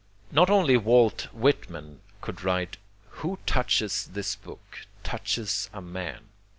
Not only Walt Whitman could write "who touches this book touches a man."